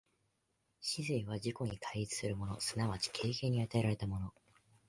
思惟は自己に対立するもの即ち経験に与えられたもの、